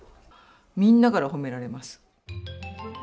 みんなから褒められます。